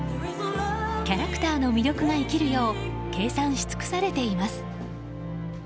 キャラクターの魅力が生きるよう計算し尽くされています。